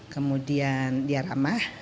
kemudian dia ramah